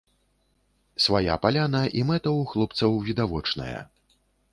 Свая паляна, і мэта ў хлопцаў відавочная.